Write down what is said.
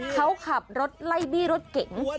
เขาขับรถไล่บี้รถเก๋ง